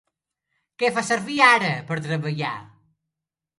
Què fa servir ara per treballar?